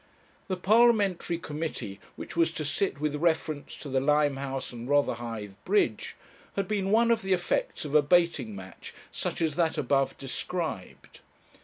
The parliamentary committee, which was to sit with reference to the Limehouse and Rotherhithe Bridge, had been one of the effects of a baiting match such as that above described.